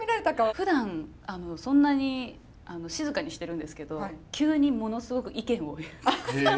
ふだんそんなに静かにしてるんですけど急にものすごく意見を言うたくさん。